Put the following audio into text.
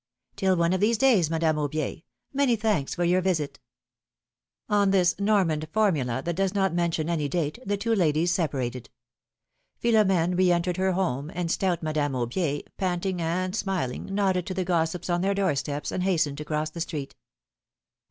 '^ ^^Till one of these days, Madame Aubier; many thanks for your visit ! On this Normand formula, that does not mention any date, the two ladies separated. Philomene re entered her home, and stout Madame Aubier, panting and smiling, nodded to the gossips on their door steps and hastened to cross the street.